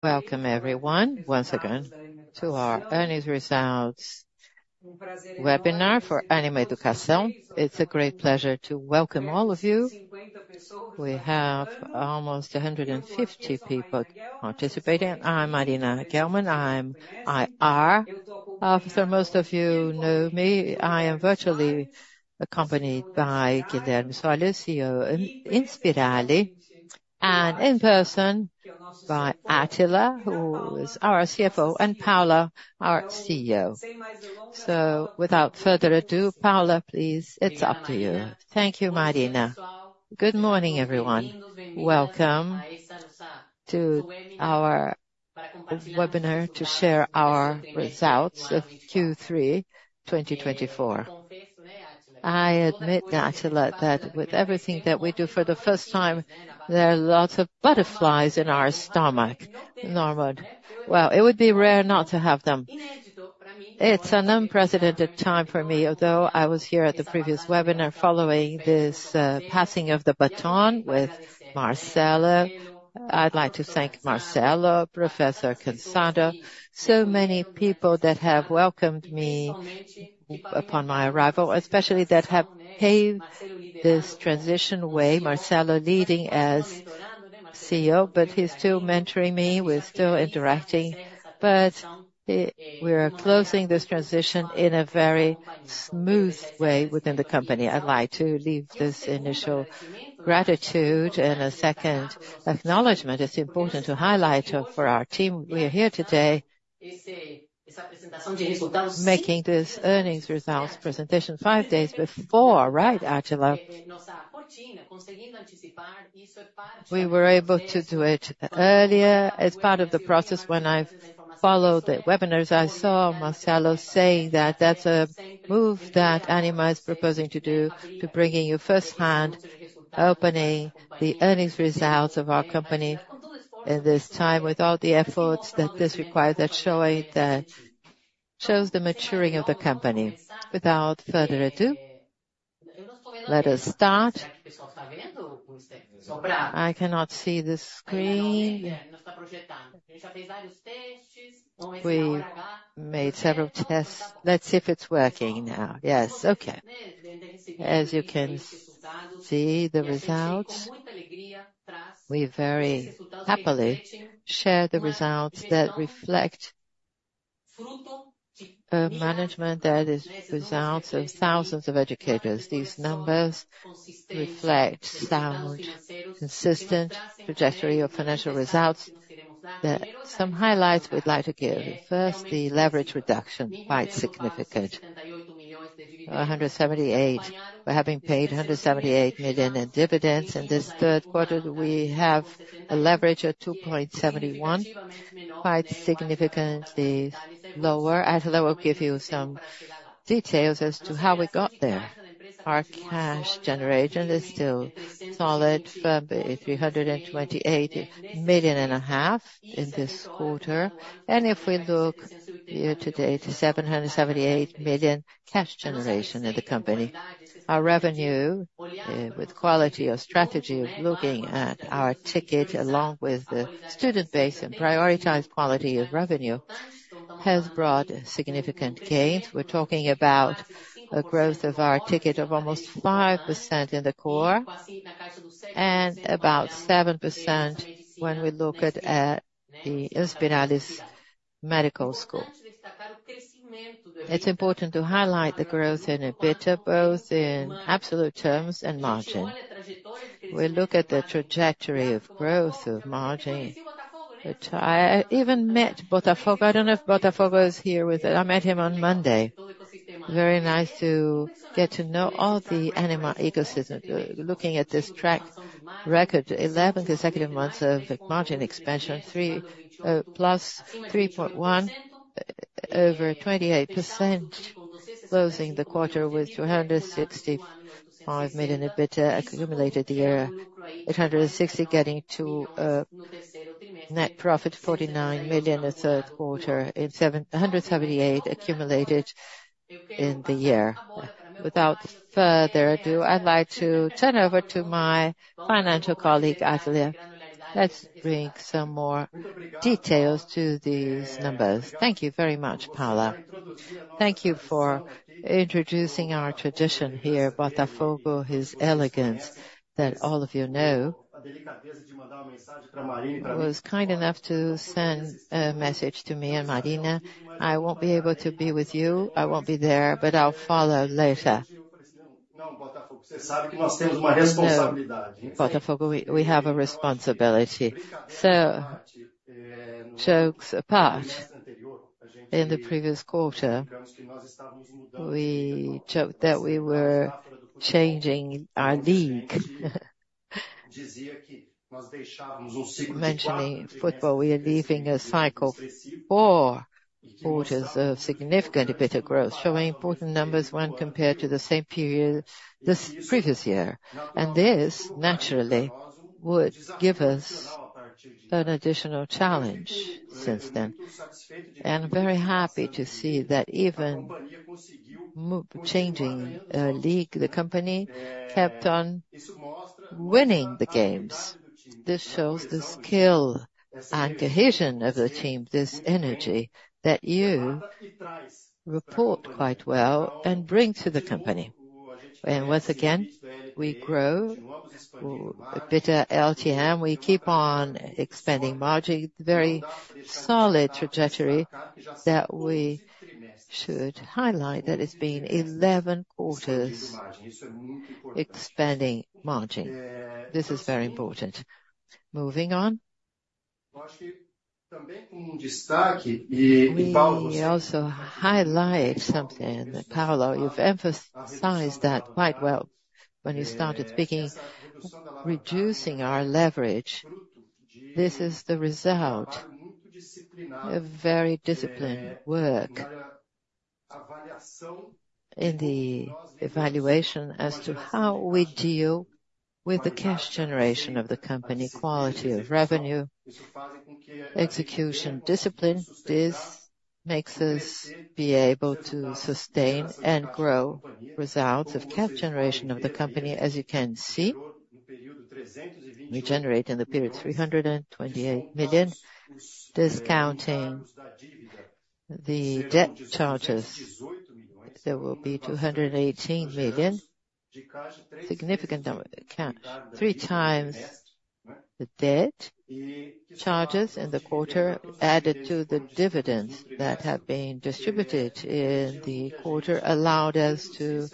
Welcome, everyone, once again, to our Ânima Results webinar for Ânima Educação. It's a great pleasure to welcome all of you. We have almost 150 people participating. I'm Marina Kelman. I'm IR Officer. Most of you know me. I am virtually accompanied by Guilherme Soárez, CEO of Inspirali, and in person by Átila, who is our CFO, and Paula, our CEO. So, without further ado, Paula, please, it's up to you. Thank you, Marina. Good morning, everyone. Welcome to our webinar to share our results of Q3 2024. I admit, Átila, that with everything that we do for the first time, there are lots of butterflies in our stomach. Normal, well, it would be rare not to have them. It's an unprecedented time for me, although I was here at the previous webinar following this passing of the baton with Marcelo. I'd like to thank Marcelo, Professor Cançado, so many people that have welcomed me upon my arrival, especially that have paved this transition way. Marcelo leading as CEO, but he's still mentoring me. We're still interacting, but we are closing this transition in a very smooth way within the company. I'd like to leave this initial gratitude and a second acknowledgment. It's important to highlight for our team we are here today making this earnings results presentation five days before, right, Átila? We were able to do it earlier as part of the process when I followed the webinars. I saw Marcelo say that that's a move that Ânima is proposing to do to bring you firsthand, opening the earnings results of our company in this time with all the efforts that this requires, that shows the maturing of the company. Without further ado, let us start. I cannot see the screen. We made several tests. Let's see if it's working now. Yes, okay. As you can see, the results we very happily share reflect a management that is results of thousands of educators. These numbers reflect sound, consistent trajectory of financial results, some highlights we'd like to give. First, the leverage reduction, quite significant. We are having paid 178 million in dividends in this third quarter. We have a leverage of 2.71, quite significantly lower. Átila will give you some details as to how we got there. Our cash generation is still solid for 328.5 million in this quarter. And if we look year to date, 778 million cash generation in the company. Our revenue, with quality of strategy of looking at our ticket along with the student base and prioritized quality of revenue, has brought significant gains. We're talking about a growth of our ticket of almost 5% in the core and about 7% when we look at the Inspirali Medical School. It's important to highlight the growth in EBITDA, both in absolute terms and margin. We look at the trajectory of growth of margin. I even met Botafogo. I don't know if Botafogo is here with us. I met him on Monday. Very nice to get to know all the Ânima ecosystem. Looking at this track record, 11 consecutive months of margin expansion, plus 3.1 over 28%, closing the quarter with 265 million EBITDA accumulated the year, 860 getting to net profit 49 million in the third quarter, and 778 accumulated in the year. Without further ado, I'd like to turn over to my financial colleague, Átila. Let's bring some more details to these numbers. Thank you very much, Paula. Thank you for introducing our tradition here, Botafogo, his elegance that all of you know. He was kind enough to send a message to me and Marina. I won't be able to be with you. I won't be there, but I'll follow later. Botafogo, we have a responsibility. So, jokes apart, in the previous quarter, we joked that we were changing our league. Mentioning football, we are leaving a cycle for quarters of significant EBITDA growth, showing important numbers when compared to the same period this previous year. And this, naturally, would give us an additional challenge since then. And I'm very happy to see that even changing a league, the company kept on winning the games. This shows the skill and cohesion of the team, this energy that you report quite well and bring to the company. And once again, we grow EBITDA LTM. We keep on expanding margin. It's a very solid trajectory that we should highlight that it's been 11 quarters expanding margin. This is very important. Moving on. We also highlight something, Paula. You've emphasized that quite well when you started speaking. Reducing our leverage. This is the result of very disciplined work in the evaluation as to how we deal with the cash generation of the company, quality of revenue, execution, discipline. This makes us be able to sustain and grow results of cash generation of the company, as you can see. We generate in the period 328 million, discounting the debt charges. There will be 218 million, significant amount, three times the debt charges in the quarter, added to the dividends that have been distributed in the quarter, allowed us to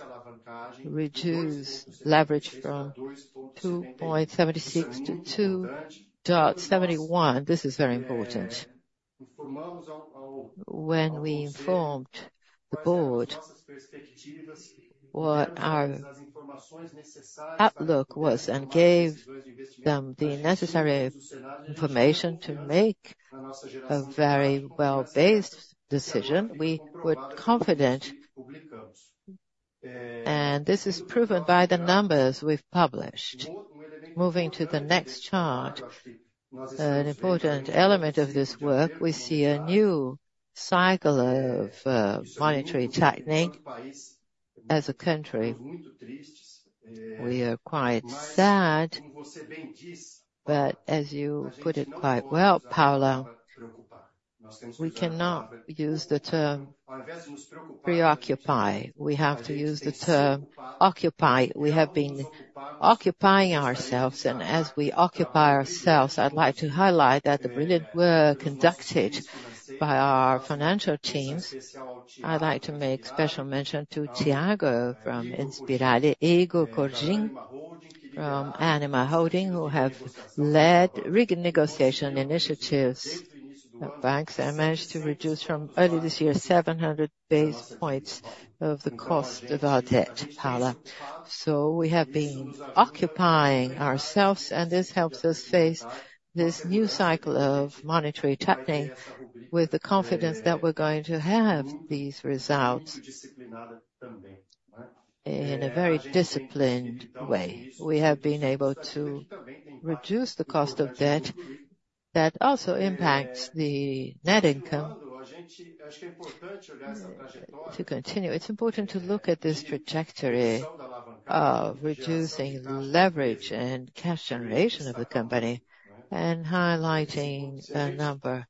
reduce leverage from 2.76 to 2.71. This is very important. When we informed the board what our outlook was and gave them the necessary information to make a very well-based decision, we were confident. And this is proven by the numbers we've published. Moving to the next chart, an important element of this work, we see a new cycle of monetary tightening as a country. We are quite sad, but as you put it quite well, Paula, we cannot use the term preoccupy. We have to use the term occupy. We have been occupying ourselves. And as we occupy ourselves, I'd like to highlight that the brilliant work conducted by our financial teams. I'd like to make special mention to Tiago from Inspirali, Igor Cotrim from Ânima Holding, who have led rigid negotiation initiatives of banks. They managed to reduce from early this year 700 basis points of the cost of our debt, Paula. We have been occupying ourselves, and this helps us face this new cycle of monetary tightening with the confidence that we're going to have these results in a very disciplined way. We have been able to reduce the cost of debt that also impacts the net income. To continue, it's important to look at this trajectory of reducing leverage and cash generation of the company and highlighting a number.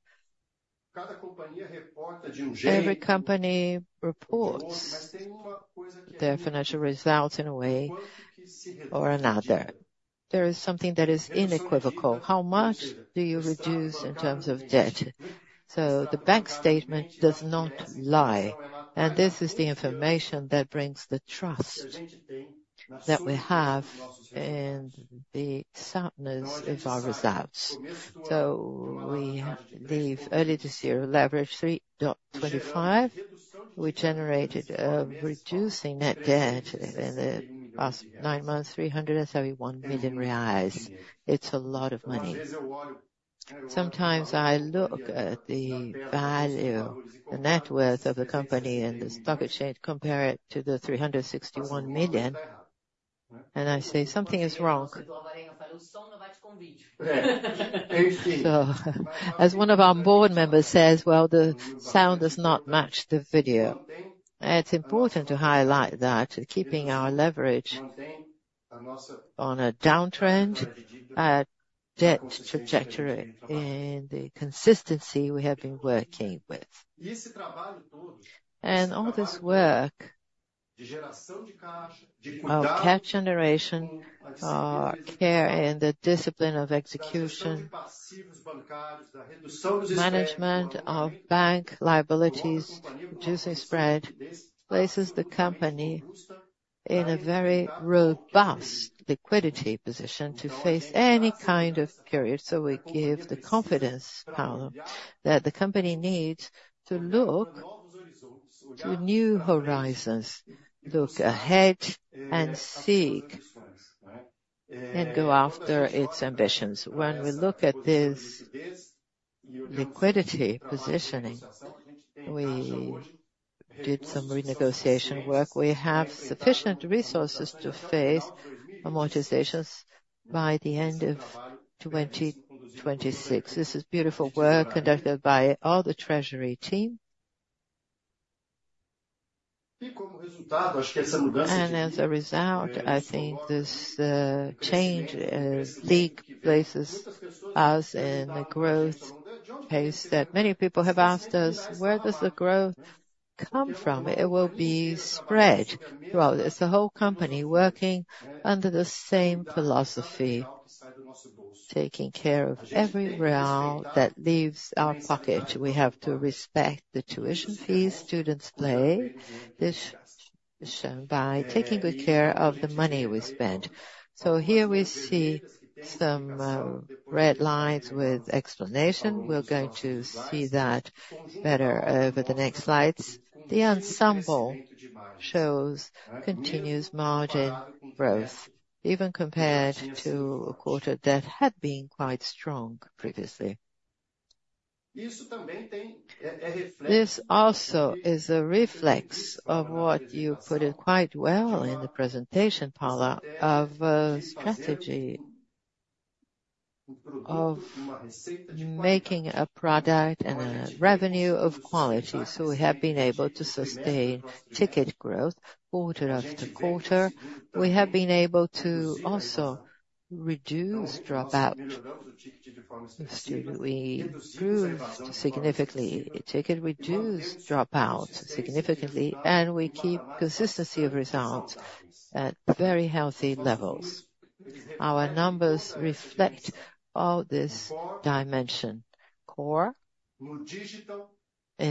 Every company reports their financial results in a way or another. There is something that is inequivocal. How much do you reduce in terms of debt? The bank statement does not lie. This is the information that brings the trust that we have in the soundness of our results. We left early this year leverage 3.25. We generated a reducing net debt in the past nine months, 371 million reais. It's a lot of money. Sometimes I look at the value, the net debt of the company and the stock exchange, compare it to the 361 million, and I say something is wrong, so as one of our board members says, well, the sound does not match the video. It's important to highlight that keeping our leverage on a downtrend debt trajectory in the consistency we have been working with, and all this work of cash generation, our care and the discipline of execution, management of bank liabilities, reducing spread places the company in a very robust liquidity position to face any kind of period, so we give the confidence, Paula, that the company needs to look to new horizons, look ahead and seek and go after its ambitions. When we look at this liquidity positioning, we did some renegotiation work. We have sufficient resources to face amortizations by the end of 2026. This is beautiful work conducted by all the treasury team, and as a result, I think this change in leverage places us in the growth pace that many people have asked us, where does the growth come from? It will be spread throughout. It's the whole company working under the same philosophy, taking care of every real that leaves our pocket. We have to respect the tuition fees, students' pay. This is shown by taking good care of the money we spend, so here we see some red lines with explanation. We're going to see that better over the next slides. The ensemble shows continuous margin growth, even compared to a quarter that had been quite strong previously. This also is a reflection of what you put it quite well in the presentation, Paula, of a strategy of making a product and a revenue of quality. So we have been able to sustain ticket growth quarter after quarter. We have been able to also reduce dropout. We grew significantly. Ticket reduced dropout significantly, and we keep consistency of results at very healthy levels. Our numbers reflect all this dimension, core and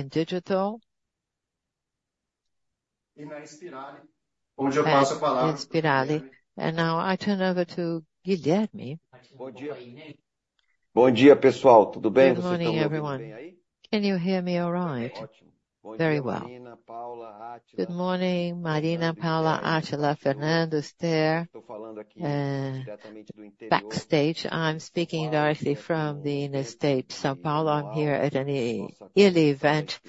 digital. And now I turn over to Guilherme. Bom dia, pessoal. Tudo bem? Good morning, everyone. Can you hear me all right? Very well. Good morning, Marina, Paula, Átila, everyone there. Backstage, I'm speaking directly from the state of São Paulo. I'm here at an early event,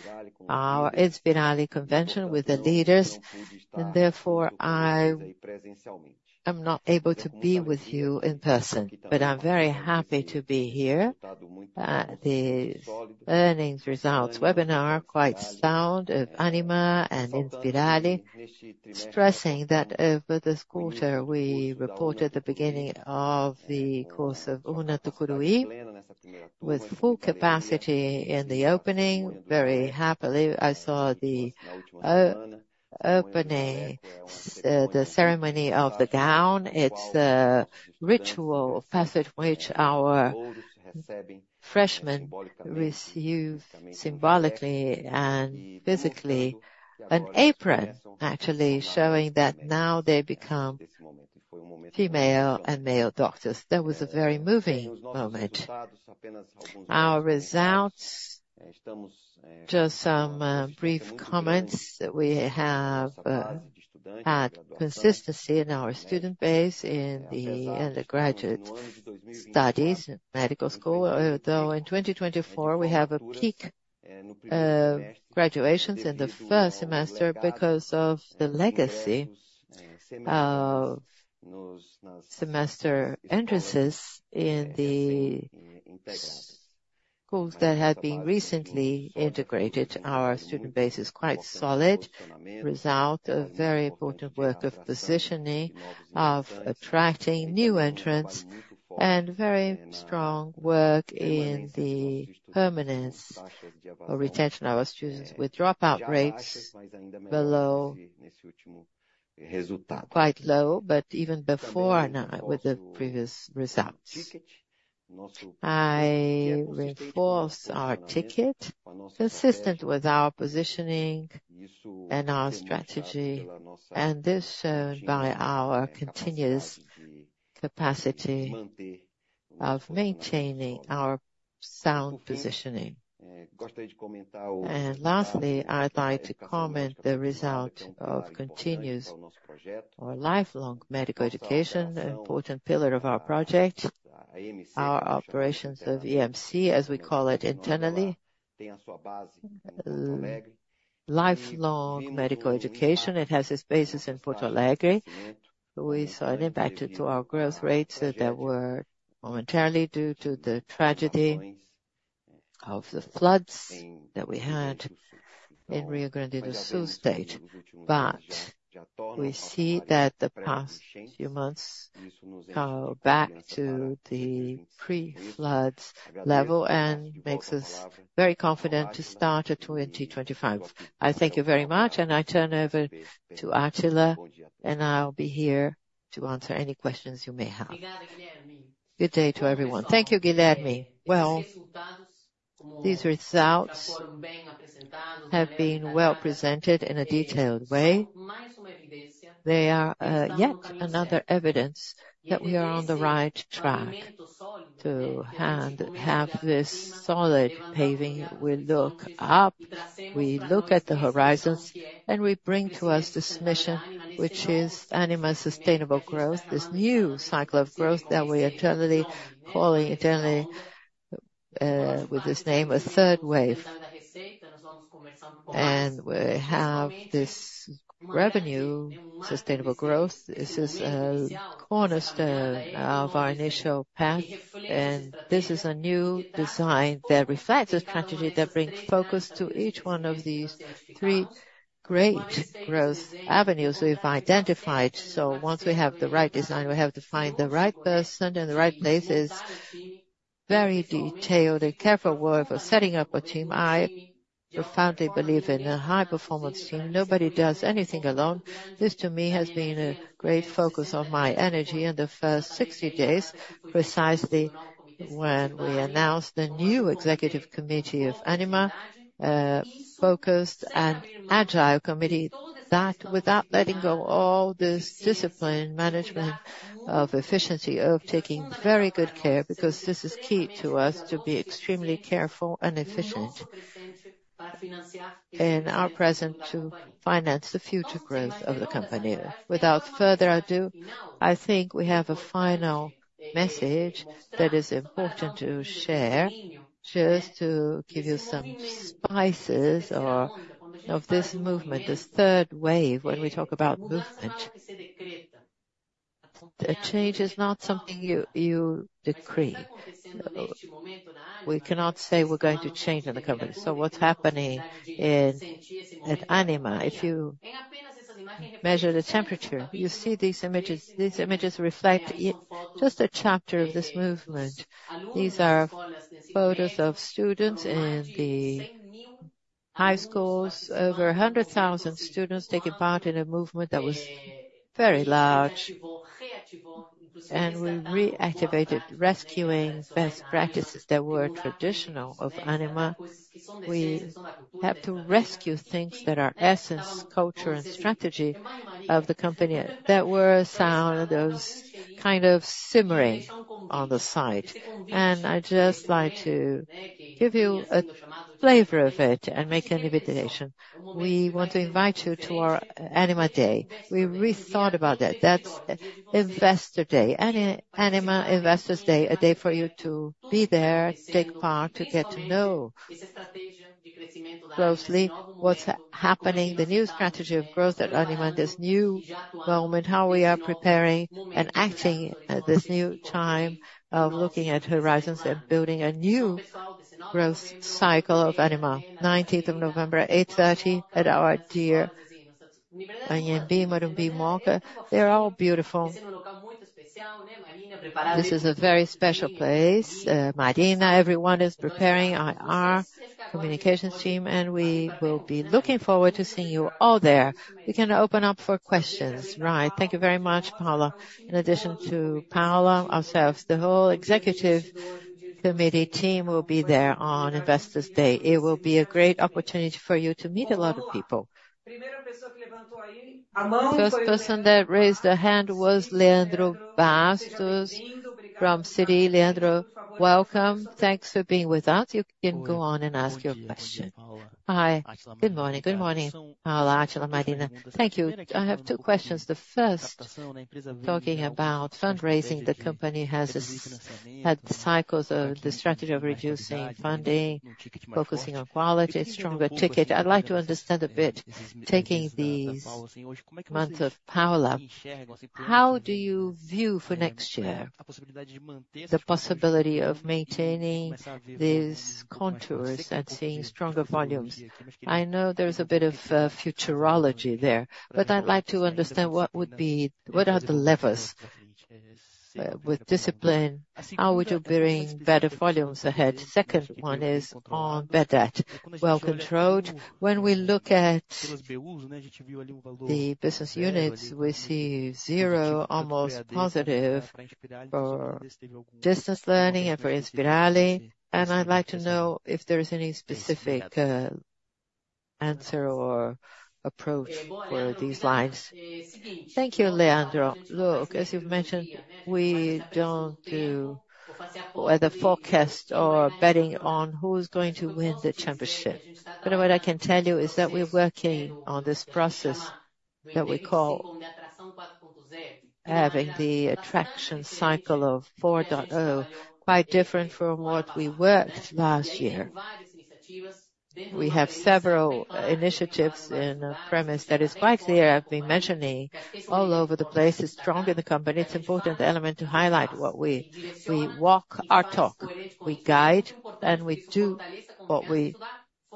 our Inspirali convention with the leaders. And therefore, I'm not able to be with you in person, but I'm very happy to be here at the earnings results webinar, Q1 results of Ânima and Inspirali, stressing that over this quarter, we reported the beginning of the course of Una Tucuruí with full capacity in the opening. Very happily, I saw the opening, the Apron Ceremony. It's the ritual path which our freshmen receive symbolically and physically, an apron actually showing that now they become female and male doctors. That was a very moving moment. Our results, just some brief comments that we have had consistency in our student base in the undergraduate studies and medical school, although in 2024, we have a peak of graduations in the first semester because of the legacy of semester entrances in the schools that had been recently integrated. Our student base is quite solid, result of very important work of positioning, of attracting new entrants, and very strong work in the permanence or retention of our students with dropout rates below quite low, but even before now with the previous results. I reinforce our ticket consistent with our positioning and our strategy, and this is shown by our continuous capacity of maintaining our sound positioning. Lastly, I'd like to comment on the result of continuous or lifelong medical education, an important pillar of our project, our operations of EMC, as we call it internally, lifelong medical education. It has its basis in Porto Alegre. We saw an impact to our growth rates that were momentarily due to the tragedy of the floods that we had in Rio Grande do Sul state, but we see that the past few months go back to the pre-floods level and makes us very confident to start 2025. I thank you very much, and I turn over to Átila, and I'll be here to answer any questions you may have. Good day to everyone. Thank you, Guilherme. These results have been well presented in a detailed way. They are yet another evidence that we are on the right track to have this solid paving. We look up, we look at the horizons, and we bring to us this mission, which is Ânima Sustainable Growth, this new cycle of growth that we are currently calling internally with this name, a Third Wave, and we have this revenue sustainable growth. This is a cornerstone of our initial path, and this is a new design that reflects a strategy that brings focus to each one of these three great growth avenues we've identified, so once we have the right design, we have to find the right person in the right places. Very detailed and careful work of setting up a team. I profoundly believe in a high-performance team. Nobody does anything alone. This, to me, has been a great focus of my energy in the first 60 days, precisely when we announced the new executive committee of Ânima, a focused and agile committee that, without letting go of all this discipline, management of efficiency, of taking very good care, because this is key to us to be extremely careful and efficient in our present to finance the future growth of the company. Without further ado, I think we have a final message that is important to share, just to give you some spices of this movement, this Third Wave. When we talk about movement, change is not something you decree. We cannot say we're going to change in the company. So what's happening at Ânima, if you measure the temperature, you see these images. These images reflect just a chapter of this movement. These are photos of students in the high schools. Over 100,000 students taking part in a movement that was very large, and we reactivated rescuing best practices that were traditional of Ânima. We have to rescue things that are essence, culture, and strategy of the company that were sound, those kind of simmering on the side. And I'd just like to give you a flavor of it and make an invitation. We want to invite you to our Ânima Day. We rethought about that. That's Investor Day, Ânima Investors Day, a day for you to be there, take part, to get to know closely what's happening, the new strategy of growth at Ânima, this new moment, how we are preparing and acting at this new time of looking at horizons and building a new growth cycle of Ânima. 19th of November, 8:30 A.M. at our dear Anhembi Morumbi, Mooca. They're all beautiful. This is a very special place. Marina, everyone is preparing our communications team, and we will be looking forward to seeing you all there. We can open up for questions. Right. Thank you very much, Paula. In addition to Paula, ourselves, the whole executive committee team will be there on Investors Day. It will be a great opportunity for you to meet a lot of people. First person that raised their hand was Leandro Bastos from Citi. Leandro, welcome. Thanks for being with us. You can go on and ask your question. Hi. Good morning. Good morning. Paula, Átila, Marina. Thank you. I have two questions. The first, talking about fundraising, the company has had cycles of the strategy of reducing funding, focusing on quality, stronger ticket. I'd like to understand a bit, taking these months of power-up, how do you view for next year the possibility of maintaining these contours and seeing stronger volumes? I know there's a bit of futurology there, but I'd like to understand what would be, what are the levers with discipline, how would you bring better volumes ahead? Second one is on bad debt, well controlled. When we look at the business units, we see zero, almost positive for distance learning and for Inspirali, and I'd like to know if there is any specific answer or approach for these lines. Thank you, Leandro. Look, as you've mentioned, we don't do either forecast or betting on who's going to win the championship, but what I can tell you is that we're working on this process that we call having the attraction cycle of 4.0, quite different from what we worked last year. We have several initiatives and a premise that is quite clear. I've been mentioning all over the place, it's strong in the company. It's an important element to highlight what we walk, our talk, we guide, and we do what we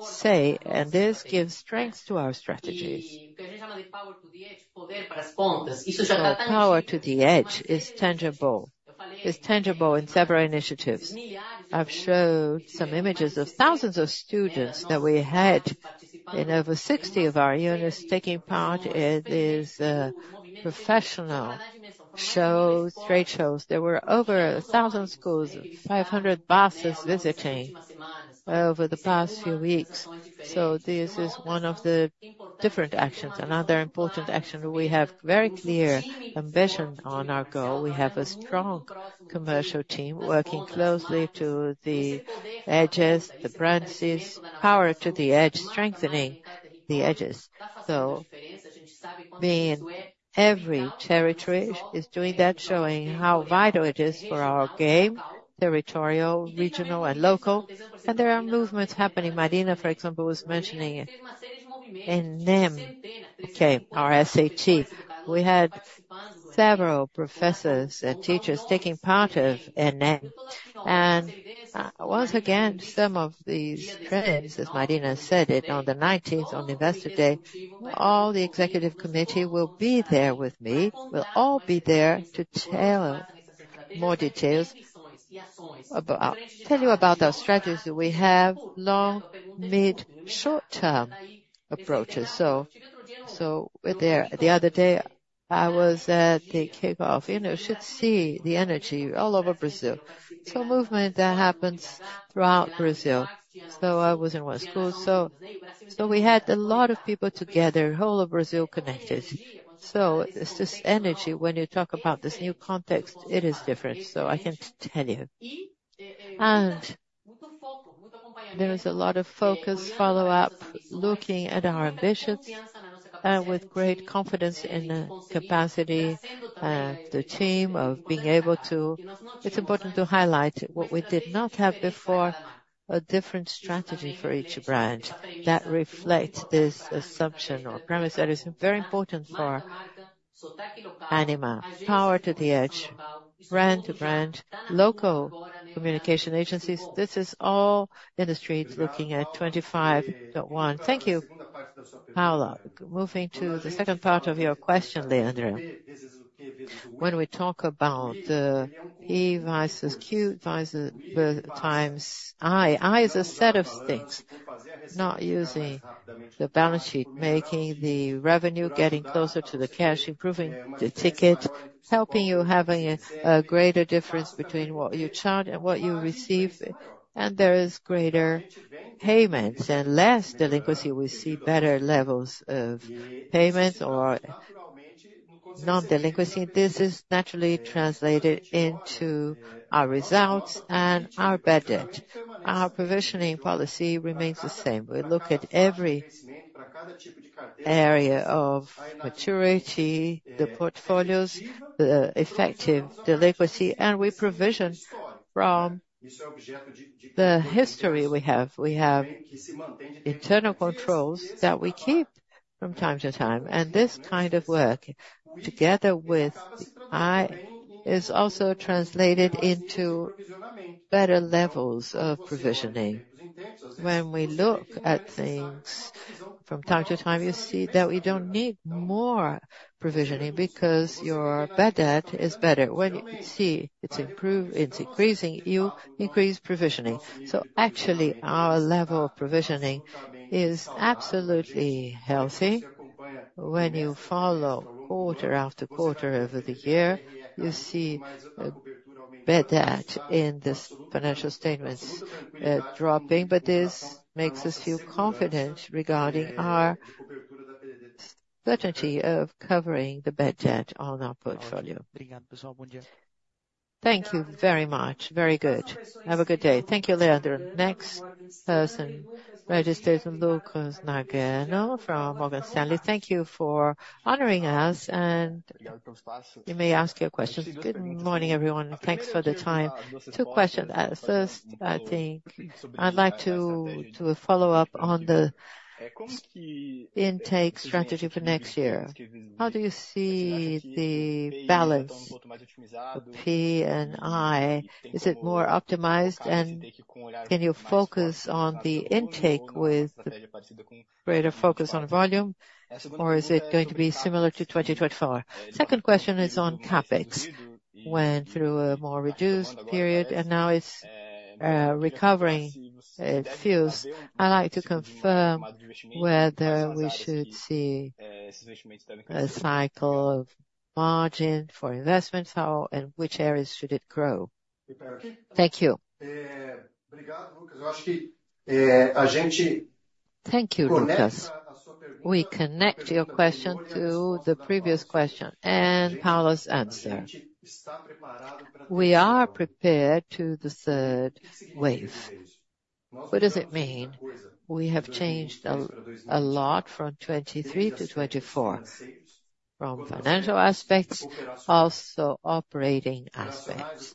say, and this gives strength to our strategies. The Power to the Edge is tangible. It's tangible in several initiatives. I've showed some images of thousands of students that we had in over 60 of our units taking part in these professional shows, trade shows. There were over 1,000 schools, 500 buses visiting over the past few weeks. So this is one of the different actions, another important action. We have very clear ambition on our goal. We have a strong commercial team working closely to the edges, the branches, Power to the Edge, strengthening the edges. So being in every territory is doing that, showing how vital it is for our game, territorial, regional, and local. And there are movements happening. Marina, for example, was mentioning ENEM, okay, our SAT. We had several professors and teachers taking part of ENEM. Once again, some of these trends, as Marina said, on the 19th, on Investor Day, all the executive committee will be there with me. We'll all be there to tell more details about, tell you about our strategies that we have, long, mid, short-term approaches. We're there. The other day, I was at the kickoff. You should see the energy all over Brazil. It's a movement that happens throughout Brazil. I was in one school. We had a lot of people together, whole of Brazil connected. It's just energy. When you talk about this new context, it is different. I can tell you. There was a lot of focus, follow-up, looking at our ambitions, and with great confidence in the capacity and the team of being able to. It's important to highlight what we did not have before, a different strategy for each brand that reflects this assumption or premise that is very important for Ânima. Power to the Edge, brand to brand, local communication agencies. This is all industry looking at 25.1%. Thank you, Paula. Moving to the second part of your question, Leandro. When we talk about the P versus Q versus I, I is a set of things, not using the balance sheet, making the revenue, getting closer to the cash, improving the ticket, helping you have a greater difference between what you charge and what you receive, and there is greater payments and less delinquency. We see better levels of payments or non-delinquency. This is naturally translated into our results and our bad debt. Our provisioning policy remains the same. We look at every area of maturity, the portfolios, the effective delinquency, and we provision from the history we have. We have internal controls that we keep from time to time, and this kind of work, together with I, is also translated into better levels of provisioning. When we look at things from time to time, you see that we don't need more provisioning because your bad debt is better. When you see it's increasing, you increase provisioning. So actually, our level of provisioning is absolutely healthy. When you follow quarter after quarter over the year, you see Bad Debt in this financial statements dropping, but this makes us feel confident regarding our certainty of covering the Bad Debt on our portfolio. Thank you very much. Very good. Have a good day. Thank you, Leandro. Next person registered is Lucas Nagano from Morgan Stanley. Thank you for honoring us, and you may ask your questions. Good morning, everyone. Thanks for the time. Two questions. First, I think I'd like to do a follow-up on the intake strategy for next year. How do you see the balance of P and I? Is it more optimized, and can you focus on the intake with greater focus on volume, or is it going to be similar to 2024? Second question is on CapEx. Went through a more reduced period, and now it's recovering fully. I'd like to confirm whether we should see a cycle of margin for investments, and which areas should it grow. Thank you. Thank you, Lucas. We connect your question to the previous question and Paula's answer. We are prepared for the Third Wave. What does it mean? We have changed a lot from 2023 to 2024, from financial aspects, also operating aspects.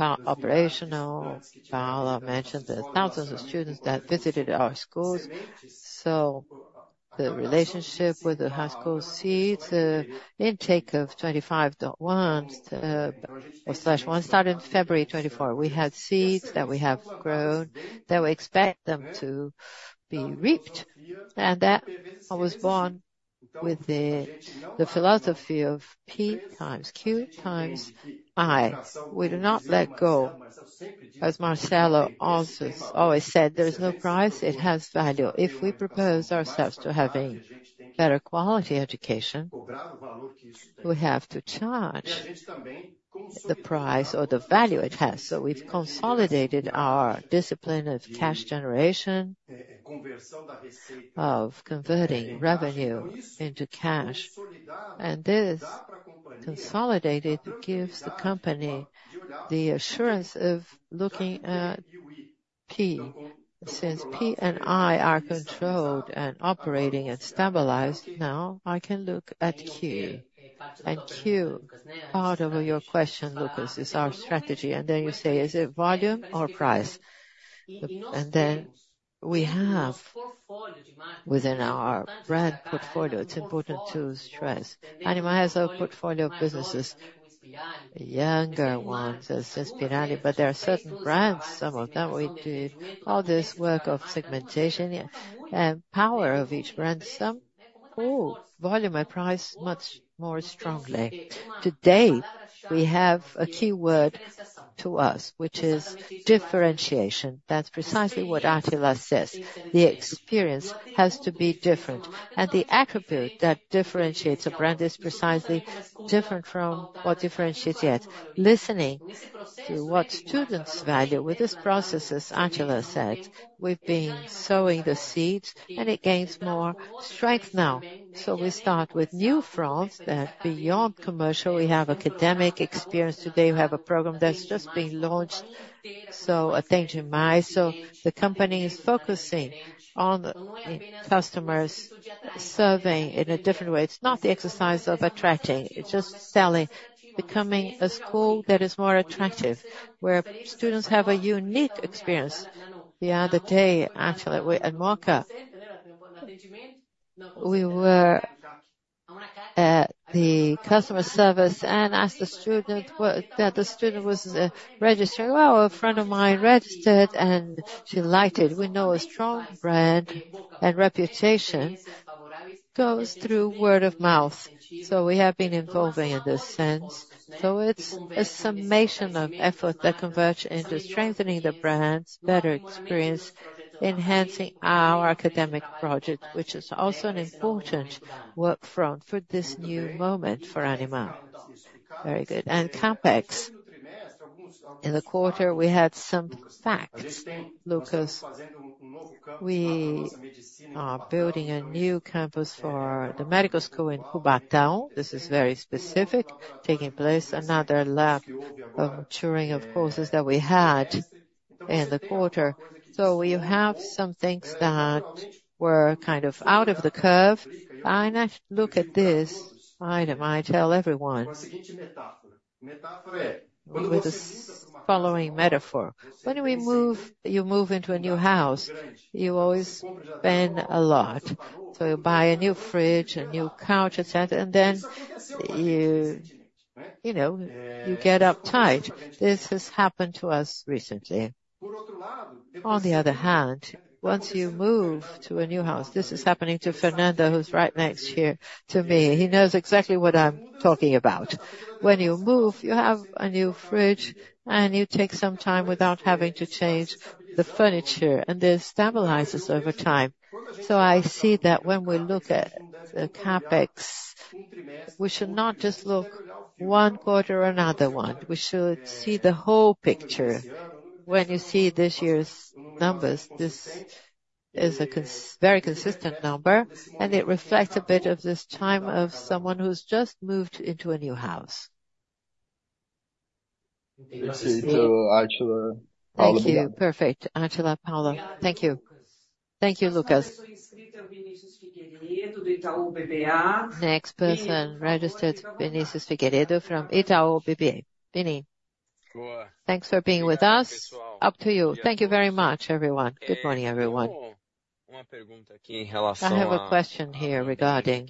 Operationally, Paula mentioned the thousands of students that visited our schools, so the relationship with the high school seeds, the intake of 25.1 or /1, started in February 2024. We had seeds that we have grown that we expect them to be reaped, and that was born with the philosophy of P times Q times I. We do not let go. As Marcelo also always said, there's no price. It has value. If we propose ourselves to have a better quality education, we have to charge the price or the value it has. So we've consolidated our discipline of cash generation, of converting revenue into cash, and this consolidation gives the company the assurance of looking at P, since P and I are controlled and operating and stabilized. Now I can look at Q, and Q, part of your question, Lucas, is our strategy. And then you say, is it volume or price? And then we have within our brand portfolio; it's important to stress. Ânima has a portfolio of businesses, younger ones as Inspirali, but there are certain brands, some of them we did all this work of segmentation and power of each brand. Some pull volume and price much more strongly. Today, we have a keyword to us, which is differentiation. That's precisely what Átila says. The experience has to be different. And the attribute that differentiates a brand is precisely different from what differentiates it. Listening to what students value with this process, as Átila said, we've been sowing the seeds, and it gains more strength now. So we start with new fronts that, beyond commercial, we have academic experience. Today, we have a program that's just been launched. So a thank you, Mai. The company is focusing on customer serving in a different way. It's not the exercise of attracting. It's just selling, becoming a school that is more attractive, where students have a unique experience. The other day, actually, at Mooca, we were at the customer service and asked the student that the student was registering. Well, a friend of mine registered, and she liked it. We know a strong brand and reputation goes through word of mouth. So we have been involving in this sense. So it's a summation of effort that converged into strengthening the brands, better experience, enhancing our academic project, which is also an important workfront for this new moment for Ânima. Very good. And CapEx. In the quarter, we had some facts, Lucas. We are building a new campus for the medical school in Cubatão. This is very specific, taking place another lap of maturing of courses that we had in the quarter. So we have some things that were kind of out of the curve. I look at this item. I tell everyone, with the following metaphor. When you move, you move into a new house, you always spend a lot. So you buy a new fridge, a new couch, etc., and then you get uptight. This has happened to us recently. On the other hand, once you move to a new house, this is happening to Fernando, who's right next to me. He knows exactly what I'm talking about. When you move, you have a new fridge, and you take some time without having to change the furniture, and this stabilizes over time. So I see that when we look at the CapEx, we should not just look at one quarter or another one. We should see the whole picture. When you see this year's numbers, this is a very consistent number, and it reflects a bit of this time of someone who's just moved into a new house. Thank you. Perfect. Átila, Paula, thank you. Thank you, Lucas. Next person registered, Vinicius Figueiredo from Itaú BBA. Vinicius. Thanks for being with us. Up to you. Thank you very much, everyone. Good morning, everyone. I have a question here regarding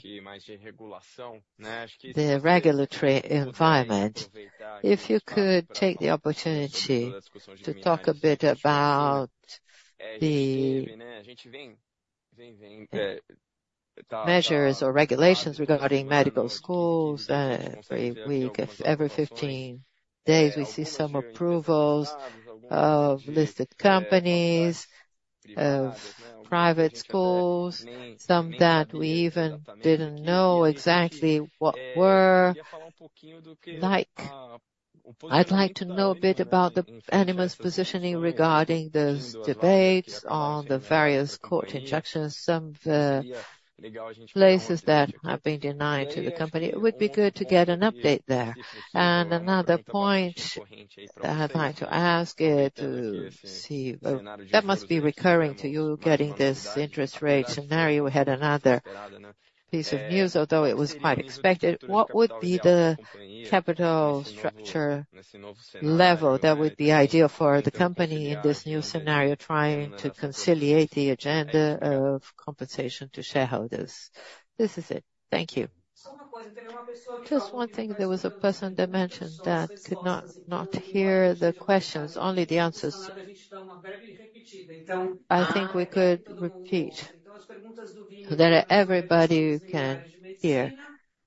the regulatory environment. If you could take the opportunity to talk a bit about the measures or regulations regarding medical schools. Every week, every 15 days, we see some approvals of listed companies, of private schools, some that we even didn't know exactly what were like. I'd like to know a bit about the Ânima's positioning regarding the debates on the various court injunctions, some of the places that have been denied to the company. It would be good to get an update there. And another point that I'd like to ask is to see that must be recurring to you getting this interest rate scenario. We had another piece of news, although it was quite expected. What would be the capital structure level that would be ideal for the company in this new scenario, trying to conciliate the agenda of compensation to shareholders? This is it. Thank you. Just one thing. There was a person that mentioned that could not hear the questions, only the answers. I think we could repeat so that everybody can hear.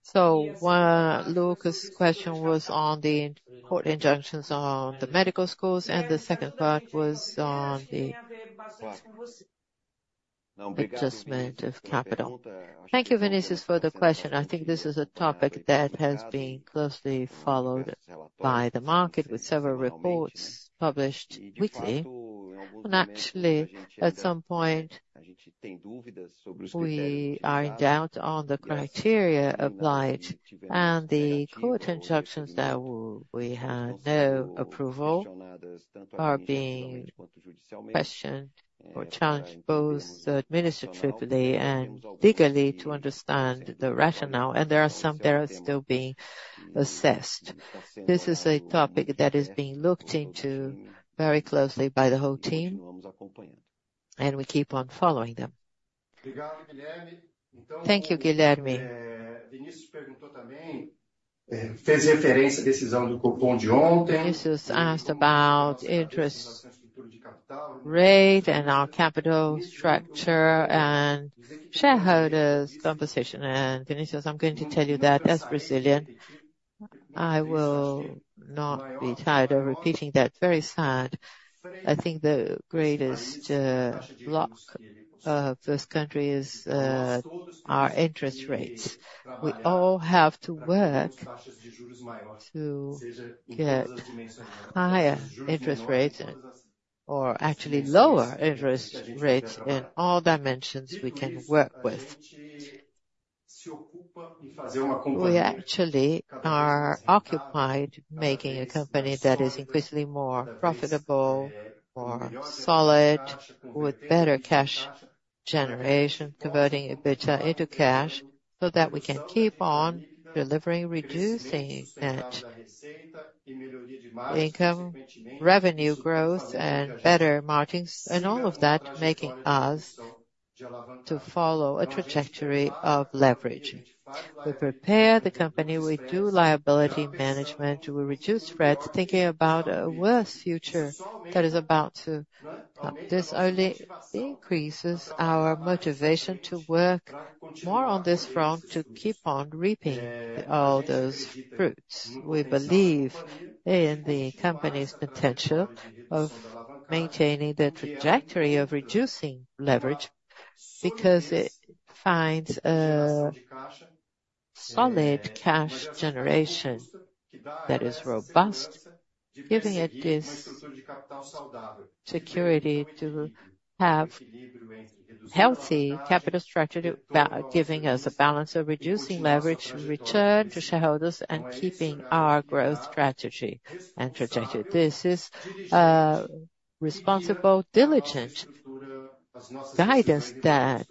So Lucas' question was on the court injunctions on the medical schools, and the second part was on the adjustment of capital. Thank you, Vinicius, for the question. I think this is a topic that has been closely followed by the market with several reports published weekly. And actually, at some point, we are in doubt on the criteria applied, and the court injunctions that we had no approval are being questioned or challenged both administratively and legally to understand the rationale. And there are some that are still being assessed. This is a topic that is being looked into very closely by the whole team, and we keep on following them. Thank you, Guilherme. Vinicius asked about interest rate and our capital structure and shareholders' composition. And Vinicius, I'm going to tell you that as a Brazilian, I will not be tired of repeating that. Very sad. I think the greatest block of this country is our interest rates. We all have to work to get higher interest rates or actually lower interest rates in all dimensions we can work with. We actually are occupied making a company that is increasingly more profitable, more solid, with better cash generation, converting EBITDA into cash so that we can keep on delivering, reducing net income, revenue growth, and better margins, and all of that making us to follow a trajectory of leverage. We prepare the company. We do liability management. We reduce threats, thinking about a worse future that is about to come. This only increases our motivation to work more on this front to keep on reaping all those fruits. We believe in the company's potential of maintaining the trajectory of reducing leverage because it finds a solid cash generation that is robust, giving it this security to have healthy capital structure, giving us a balance of reducing leverage and return to shareholders and keeping our growth strategy and trajectory. This is a responsible, diligent guidance that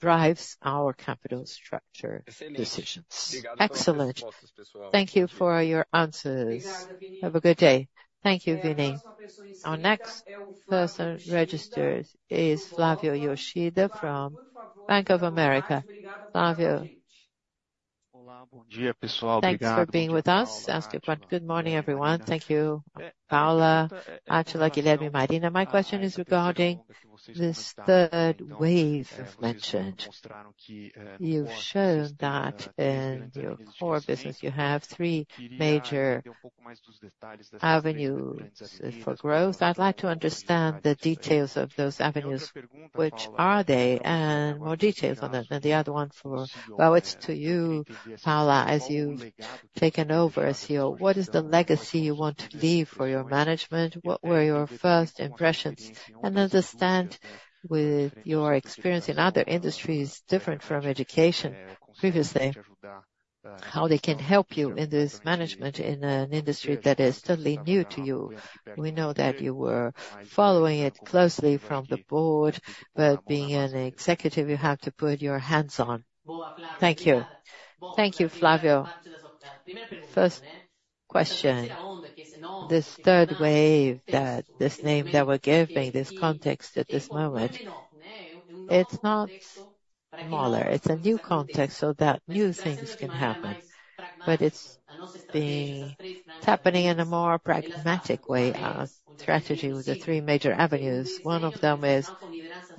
drives our capital structure decisions. Excellent. Thank you for your answers. Have a good day. Thank you, Vini. Our next person registered is Flavio Yoshida from Bank of America. Flavio. Olá, bom dia, pessoal. Obrigado. Thanks for being with us. Good morning, everyone. Thank you, Paula, Átila, Guilherme, Marina. My question is regarding this Third Wave you've mentioned. You've shown that in your core business, you have three major avenues for growth. I'd like to understand the details of those avenues. Which are they? And more details on that. And the other one for, well, it's to you, Paula, as you've taken over as CEO. What is the legacy you want to leave for your management? What were your first impressions? And understand, with your experience in other industries different from education previously, how they can help you in this management in an industry that is totally new to you. We know that you were following it closely from the board, but being an executive, you have to put your hands on. Thank you. Thank you, Flavio. First question. This Third Wave that this name that we're giving, this context at this moment, it's not smaller. It's a new context so that new things can happen. But it's been happening in a more pragmatic way of strategy with the three major avenues. One of them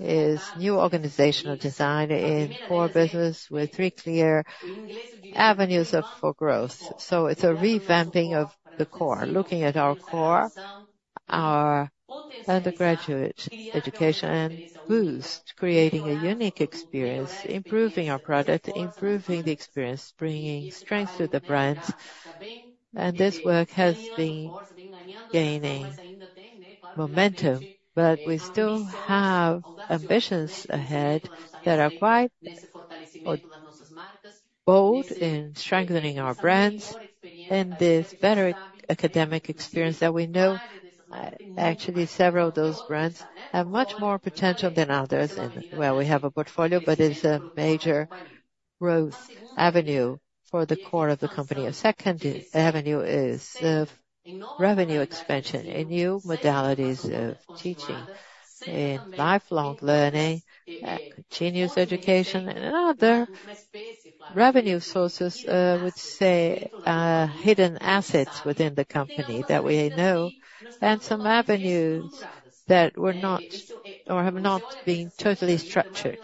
is new organizational design in core business with three clear avenues for growth. So it's a revamping of the core, looking at our core, our undergraduate education and boost, creating a unique experience, improving our product, improving the experience, bringing strength to the brands, and this work has been gaining momentum, but we still have ambitions ahead that are quite bold in strengthening our brands and this better academic experience that we know actually several of those brands have much more potential than others, and while we have a portfolio, but it's a major growth avenue for the core of the company. A second avenue is revenue expansion, a new modality of teaching and lifelong learning, continuous education, and other revenue sources, I would say, hidden assets within the company that we know, and some avenues that were not or have not been totally structured,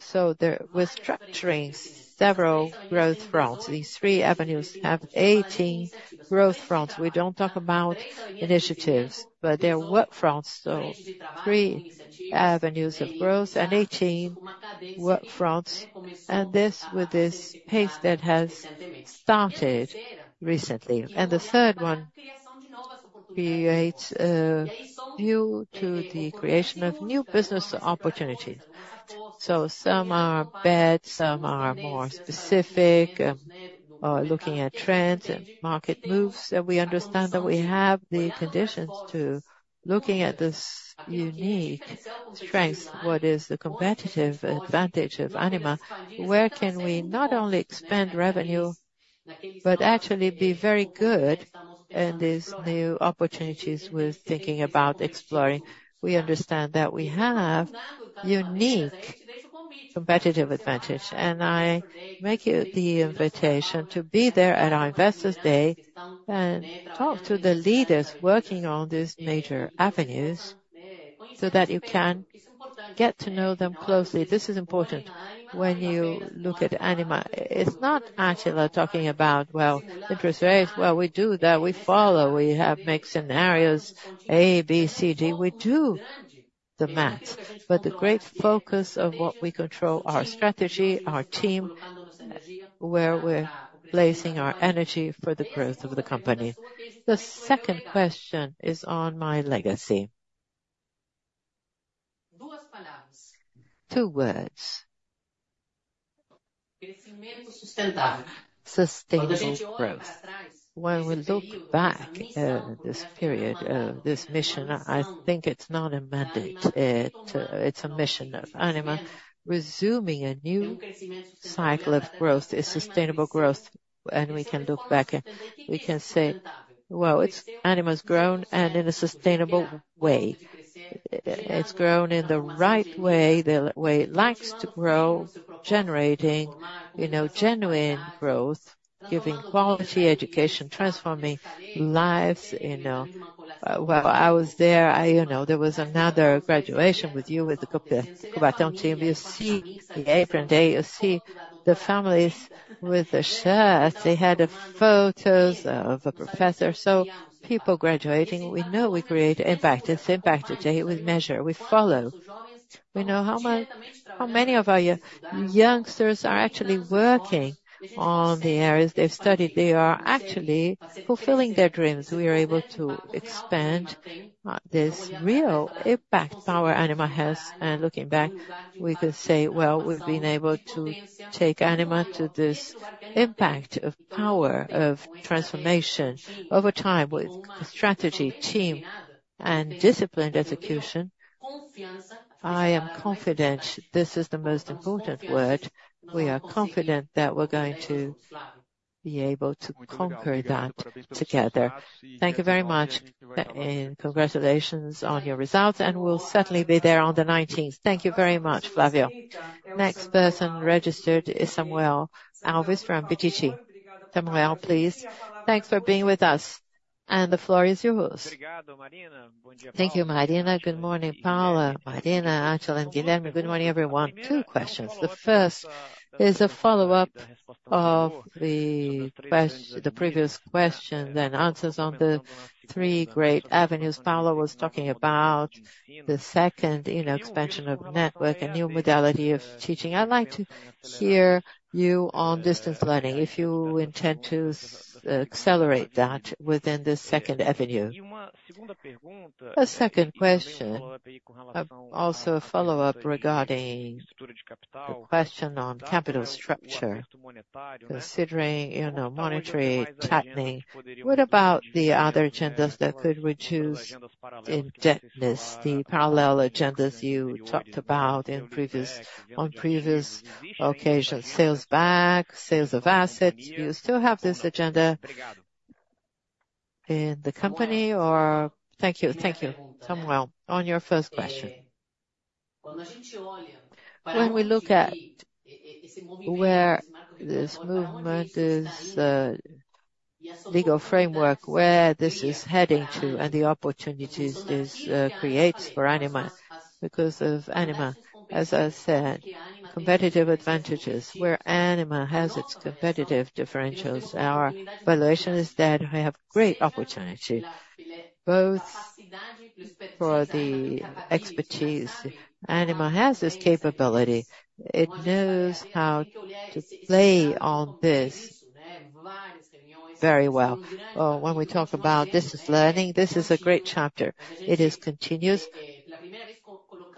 so we're structuring several growth fronts. These three avenues have 18 growth fronts. We don't talk about initiatives, but there are work fronts, so three avenues of growth and 18 work fronts, and this with this pace that has started recently, and the third one creates a view to the creation of new business opportunities, so some are broad, some are more specific, looking at trends and market moves that we understand that we have the conditions to looking at this unique strength. What is the competitive advantage of Ânima? Where can we not only expand revenue, but actually be very good in these new opportunities with thinking about exploring? We understand that we have unique competitive advantage, and I make you the invitation to be there at our Investors Day and talk to the leaders working on these major avenues so that you can get to know them closely. This is important when you look at Ânima. It's not Átila talking about, well, interest rates. Well, we do that. We follow. We have mixed scenarios A, B, C, D. We do the math, but the great focus of what we control is our strategy, our team, where we're placing our energy for the growth of the company. The second question is on my legacy. Two words. Sustainable growth. When we look back at this period of this mission, I think it's not a mandate. It's a mission of Ânima resuming a new cycle of growth, sustainable growth, and we can look back and we can say, well, Ânima has grown and in a sustainable way. It's grown in the right way, the way it likes to grow, generating genuine growth, giving quality education, transforming lives. Well, I was there. There was another graduation with you, with the Cubatão team. You see the Ânima Day, you see the families with the shirts. They had photos of a professor. So people graduating. We know we create impact. It's impact today. We measure. We follow. We know how many of our youngsters are actually working on the areas they've studied. They are actually fulfilling their dreams. We are able to expand this real impact power Ânima has. And looking back, we could say, well, we've been able to take Ânima to this impact of power of transformation over time with strategy, team, and disciplined execution. I am confident. This is the most important word. We are confident that we're going to be able to conquer that together. Thank you very much. And congratulations on your results. And we'll certainly be there on the 19th. Thank you very much, Flavio. Next person registered is Samuel Alves from BTG Pactual. Samuel, please. Thanks for being with us, and the floor is yours. Thank you, Marina. Good morning, Paula, Marina, Átila, and Guilherme. Good morning, everyone. Two questions. The first is a follow-up of the previous questions and answers on the three great avenues Paula was talking about, the second, you know, expansion of network, a new modality of teaching. I'd like to hear you on distance learning, if you intend to accelerate that within the second avenue. A second question, also a follow-up regarding the question on capital structure, considering, you know, monetary tightening. What about the other agendas that could reduce indebtedness, the parallel agendas you talked about on previous occasions, sales back, sales of assets? Do you still have this agenda in the company or? Thank you. Thank you. Samuel, on your first question. When we look at where this movement is, the legal framework, where this is heading to, and the opportunities this creates for Ânima because of Ânima, as I said, competitive advantages, where Ânima has its competitive differentials. Our valuation is that we have great opportunity, both for the expertise. Ânima has this capability. It knows how to play on this very well. When we talk about distance learning, this is a great chapter. It is continuous.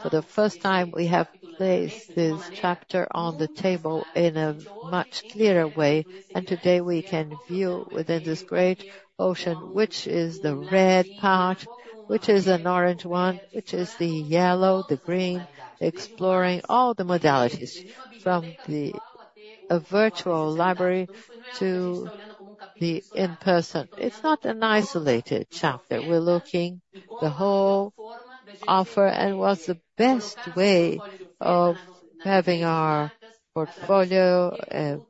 For the first time, we have placed this chapter on the table in a much clearer way, and today, we can view within this great ocean, which is the red part, which is an orange one, which is the yellow, the green, exploring all the modalities from a virtual library to the in-person. It's not an isolated chapter. We're looking at the whole offer and what's the best way of having our portfolio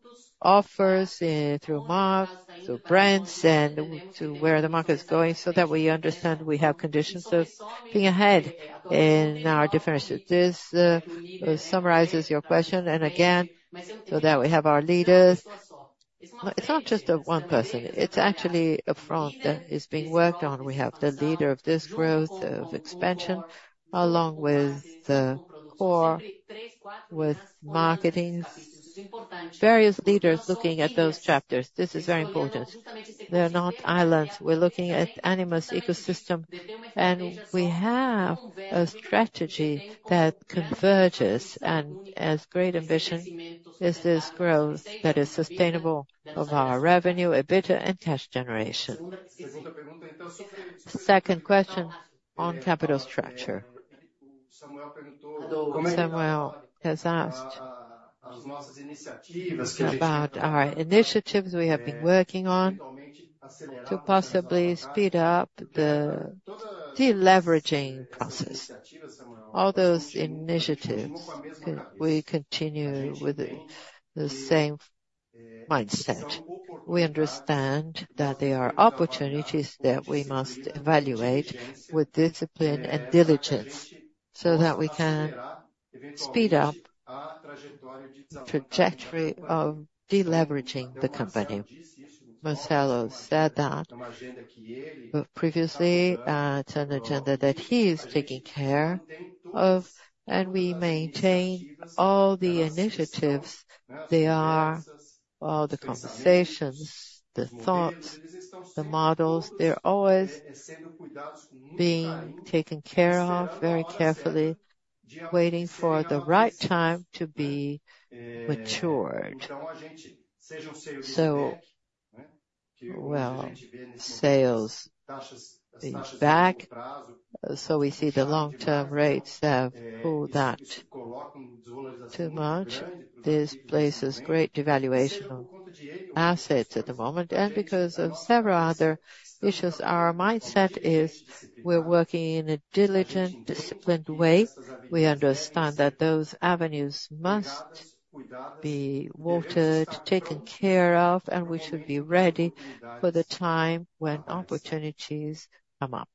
offers through marks, through brands, and to where the market is going so that we understand we have conditions of being ahead in our differences. This summarizes your question. And again, so that we have our leaders, it's not just one person. It's actually a front that is being worked on. We have the leader of this growth of expansion along with the core, with marketing, various leaders looking at those chapters. This is very important. They're not islands. We're looking at Ânima's ecosystem, and we have a strategy that converges. And as great ambition is this growth that is sustainable of our revenue, EBITDA, and cash generation. Second question on capital structure. Samuel has asked about our initiatives we have been working on to possibly speed up the deleveraging process. All those initiatives, we continue with the same mindset. We understand that there are opportunities that we must evaluate with discipline and diligence so that we can speed up the trajectory of deleveraging the company. Marcelo said that previously, it's an agenda that he is taking care of, and we maintain all the initiatives. They are all the conversations, the thoughts, the models. They're always being taken care of very carefully, waiting for the right time to be matured. So, well, sales leaseback, so we see the long-term rates have pulled that too much. This places great devaluation of assets at the moment. And because of several other issues, our mindset is we're working in a diligent, disciplined way. We understand that those avenues must be watered, taken care of, and we should be ready for the time when opportunities come up.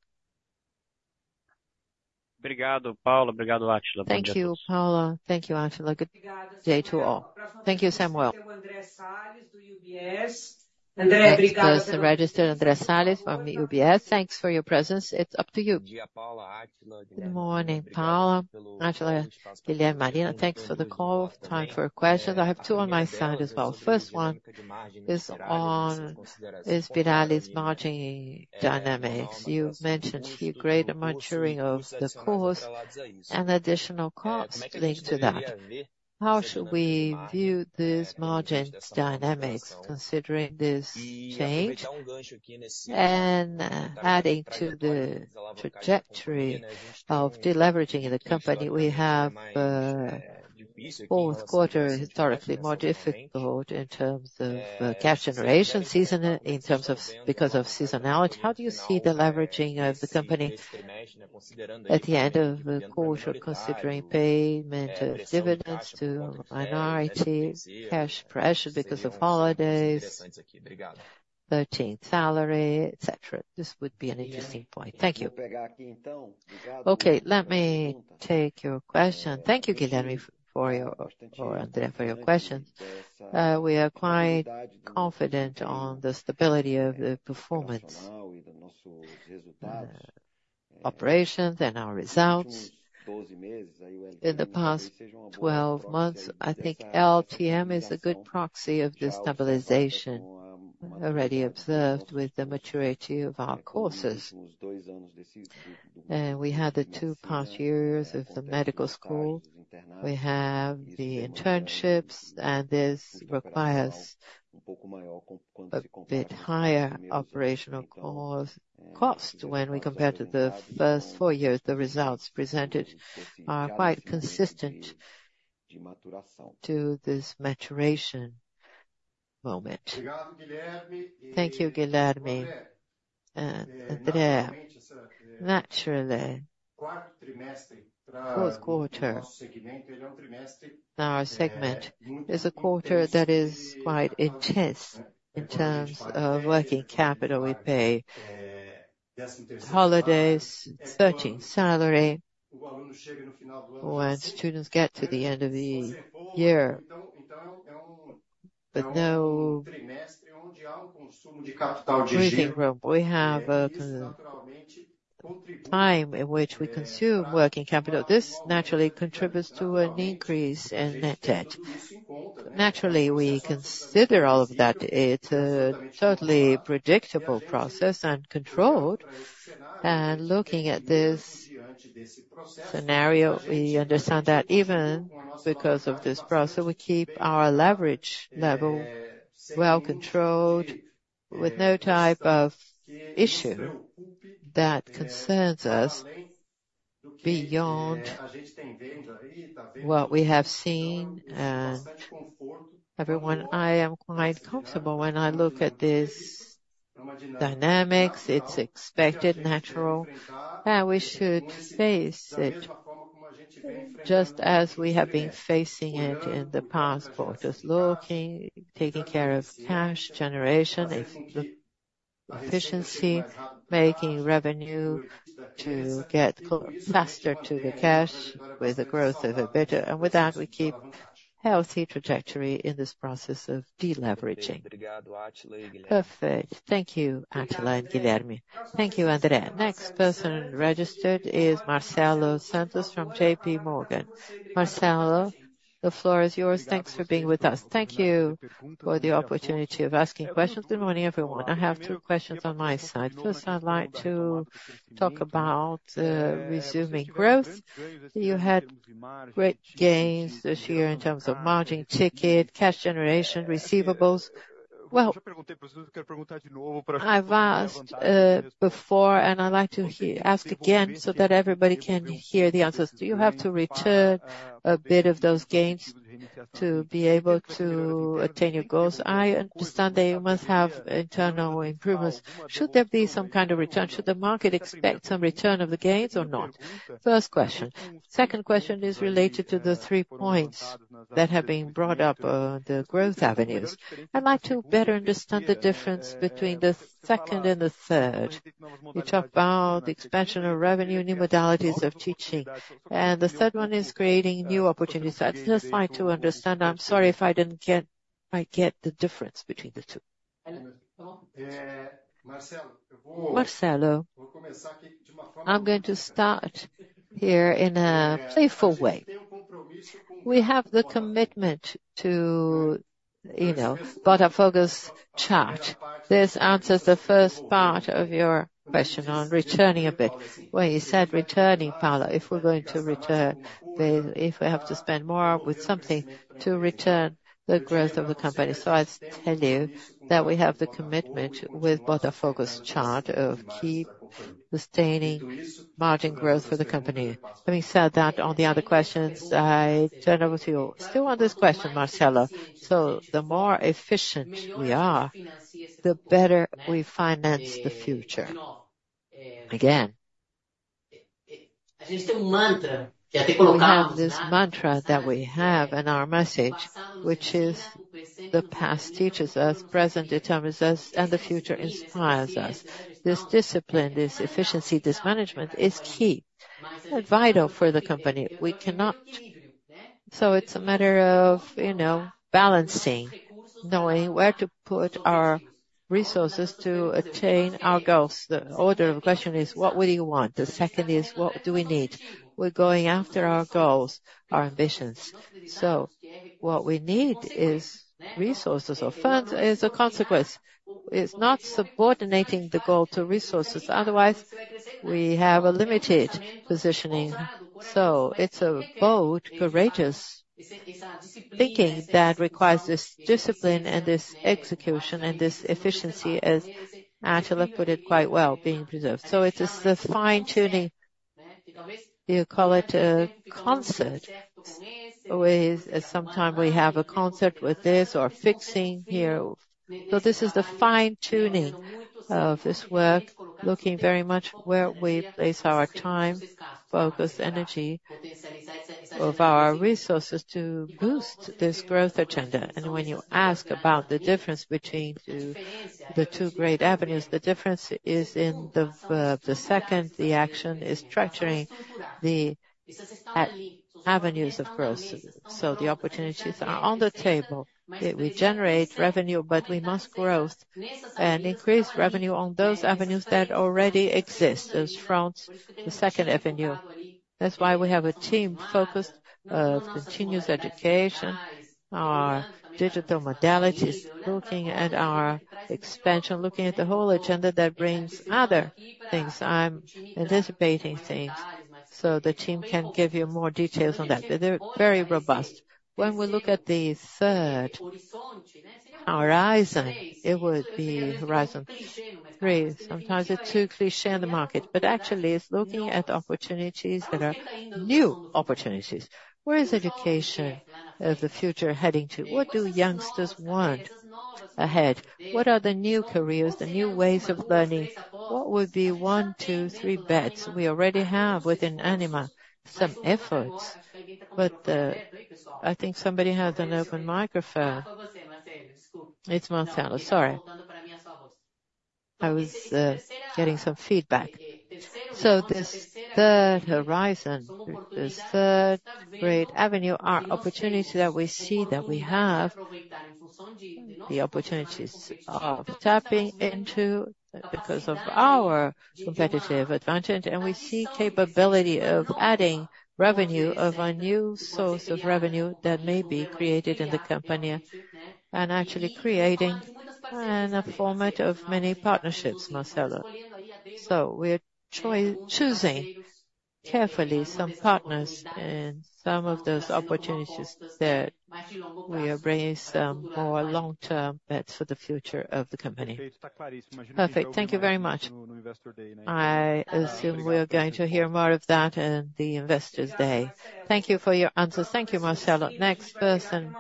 Obrigado, Paula. Obrigado, Átila. Thank you, Paula. Thank you, Átila. Good day to all. Thank you, Samuel. Thank you for the registered Andressa from the UBS. Thanks for your presence. It's up to you. Good morning, Paula. Átila, Guilherme, Marina. Thanks for the call. Time for questions. I have two on my side as well. First one is on Inspirali margin dynamics. You mentioned a few greater maturing of the course and additional costs linked to that. How should we view these margin dynamics considering this change and adding to the trajectory of deleveraging the company? We have fourth quarter historically more difficult in terms of cash generation because of seasonality. How do you see the leveraging of the company at the end of the quarter considering payment of dividends to minorities, cash pressure because of holidays, 13th salary, etc.? This would be an interesting point. Thank you. Okay, let me take your question. Thank you, Guilherme, for your question. We are quite confident on the stability of the performance operations and our results. In the past 12 months, I think LTM is a good proxy of the stabilization already observed with the maturity of our courses, and we had the two past years of the medical school. We have the internships, and this requires a bit higher operational cost when we compare to the first four years. The results presented are quite consistent to this maturation moment. Thank you, Guilherme. Andre, naturally, fourth quarter in our segment is a quarter that is quite intense in terms of working capital. We pay holidays, 13th salary, when students get to the end of the year, but normally we have a time in which we consume working capital. This naturally contributes to an increase in net debt. Naturally, we consider all of that. It's a totally predictable process and controlled, and looking at this scenario, we understand that even because of this process, we keep our leverage level well controlled with no type of issue that concerns us beyond what we have seen. Everyone, I am quite comfortable when I look at these dynamics. It's expected, natural, and we should face it just as we have been facing it in the past. Just looking, taking care of cash generation, efficiency, making revenue to get faster to the cash with the growth of EBITDA, and with that, we keep a healthy trajectory in this process of deleveraging. Perfect. Thank you, Átila and Guilherme. Thank you, Andre. Next person registered is Marcelo Santos from JP Morgan. Marcelo, the floor is yours. Thanks for being with us. Thank you for the opportunity of asking questions. Good morning, everyone. I have two questions on my side. First, I'd like to talk about the resuming growth. You had great gains this year in terms of margin, ticket, cash generation, receivables. Well, I've asked before, and I'd like to ask again so that everybody can hear the answers. Do you have to return a bit of those gains to be able to attain your goals? I understand they must have internal improvements. Should there be some kind of return? Should the market expect some return of the gains or not? First question. Second question is related to the three points that have been brought up, the growth avenues. I'd like to better understand the difference between the second and the third, which are about the expansion of revenue, new modalities of teaching, and the third one is creating new opportunities. I'd just like to understand. I'm sorry if I didn't quite get the difference between the two. Marcelo, I'm going to start here in a playful way. We have the commitment to, you know, but a focus chart. This answers the first part of your question on returning a bit. When you said returning, Paula, if we're going to return, if we have to spend more with something to return the growth of the company. So I tell you that we have the commitment with both a focus chart of keep sustaining margin growth for the company. Having said that, on the other questions, I turn over to you. Still on this question, Marcelo, so the more efficient we are, the better we finance the future. Again, this mantra that we have in our message, which is the past teaches us, present determines us, and the future inspires us. This discipline, this efficiency, this management is key and vital for the company. We cannot. So it's a matter of, you know, balancing, knowing where to put our resources to attain our goals. The order of the question is, what would you want? The second is, what do we need? We're going after our goals, our ambitions. So what we need is resources or funds as a consequence. It's not subordinating the goal to resources. Otherwise, we have a limited positioning. So it's a bold, courageous thinking that requires this discipline and this execution and this efficiency, as Átila put it quite well, being preserved. So it's a fine-tuning, you call it a concert, or sometimes we have a concert with this or fixing here. So this is the fine-tuning of this work, looking very much where we place our time, focus, energy of our resources to boost this growth agenda. And when you ask about the difference between the two great avenues, the difference is in the second. The action is structuring the avenues of growth. So the opportunities are on the table. We generate revenue, but we must grow and increase revenue on those avenues that already exist as from the second avenue. That's why we have a team focused on continuous education, our digital modalities, looking at our expansion, looking at the whole agenda that brings other things. I'm anticipating things so the team can give you more details on that. They're very robust. When we look at the third horizon, it would be horizon three. Sometimes it's too cliché in the market, but actually, it's looking at opportunities that are new opportunities. Where is education of the future heading to? What do youngsters want ahead? What are the new careers, the new ways of learning? What would be one, two, three bets? We already have within Ânima some efforts, but I think somebody has an open microphone. It's Marcelo. Sorry. I was getting some feedback. So this third horizon, this third great avenue, our opportunity that we see that we have the opportunities of tapping into because of our competitive advantage, and we see capability of adding revenue of a new source of revenue that may be created in the company and actually creating a format of many partnerships, Marcelo. So we're choosing carefully some partners in some of those opportunities that we are bringing some more long-term bets for the future of the company. Perfect. Thank you very much. I assume we are going to hear more of that in the Investors' Day. Thank you for your answers. Thank you, Marcelo. Next person.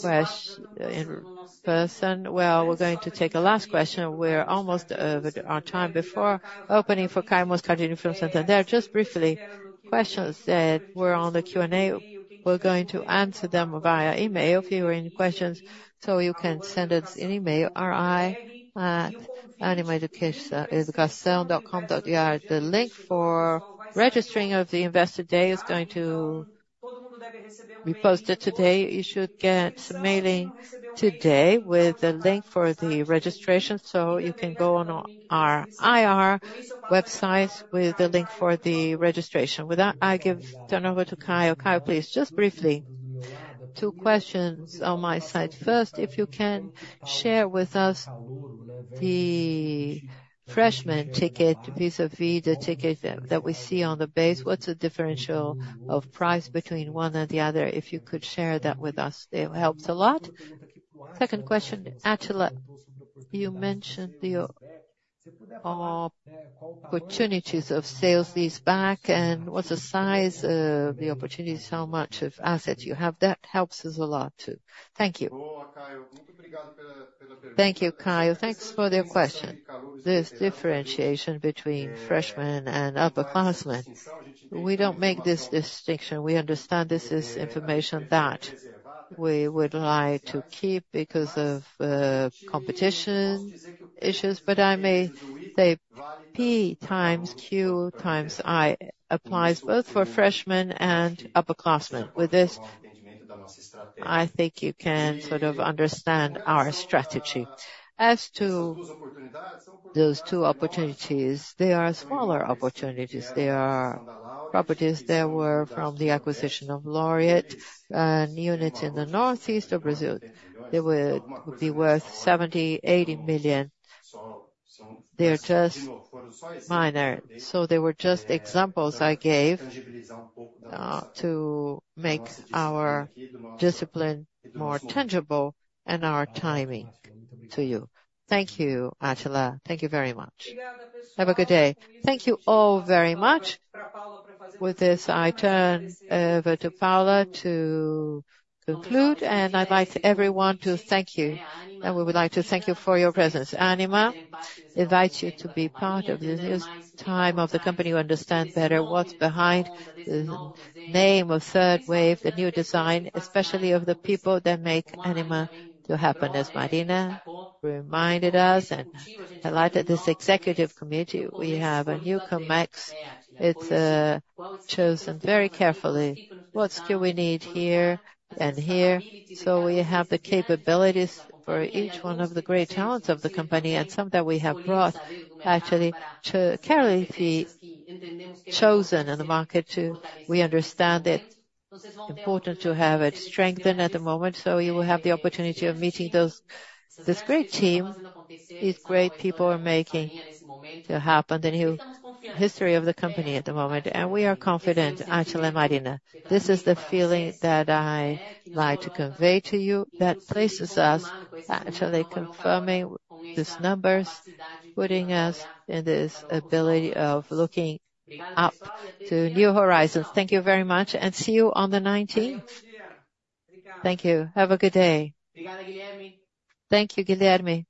Question in person. Well, we're going to take a last question. We're almost over our time before opening for Caio Moscardini. There are just briefly questions that were on the Q&A. We're going to answer them via email. If you have any questions, so you can send us an email at ir@animaeducacao.com. The link for registering for the Ânima Day is going to be posted today. You should get an email today with the link for the registration, so you can go on our IR website with the link for the registration. With that, I give turnover to Caio. Caio, please, just briefly two questions on my side. First, if you can share with us the freshman ticket vis-à-vis the ticket that we see on the base, what's the differential of price between one and the other? If you could share that with us, it helps a lot. Second question, Átila, you mentioned the opportunities of sales leaseback, and what's the size of the opportunities, how much of assets you have? That helps us a lot too. Thank you. Thank you, Caio. Thanks for the question. This differentiation between freshmen and upperclassmen. We don't make this distinction. We understand this is information that we would like to keep because of competition issues, but I may say P x Q x I applies both for freshmen and upperclassmen. With this, I think you can sort of understand our strategy. As to those two opportunities, they are smaller opportunities. They are properties that were from the acquisition of Laureate and Una in the northeast of Brazil. They would be worth 70-80 million. They're just minor. So they were just examples I gave to make our discipline more tangible and our timing to you. Thank you, Átila. Thank you very much. Have a good day. Thank you all very much. With this, I turn over to Paula to conclude, and I'd like everyone to thank you, and we would like to thank you for your presence. Ânima invites you to be part of this time of the company. You understand better what's behind the name of Third Wave, the new design, especially of the people that make Ânima to happen. As Marina reminded us and highlighted this executive committee, we have a new comeback. It's chosen very carefully. What skill we need here and here. So we have the capabilities for each one of the great talents of the company and some that we have brought actually to carefully be chosen in the market too. We understand that it's important to have it strengthened at the moment. You will have the opportunity of meeting this great team. These great people are making it happen the new history of the company at the moment. We are confident, Átila and Marina. This is the feeling that I'd like to convey to you that places us actually confirming these numbers, putting us in this ability of looking up to new horizons. Thank you very much, and see you on the 19th. Thank you. Have a good day. Thank you, Guilherme.